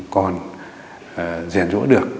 còn giản rũa được